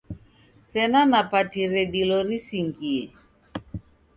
Sena napatire dilo risingie.